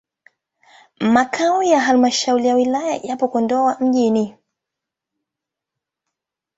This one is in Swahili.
Makao ya halmashauri ya wilaya yapo Kondoa mjini.